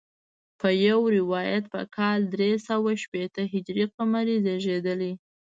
په یو روایت په کال درې سوه شپېته هجري قمري زیږېدلی.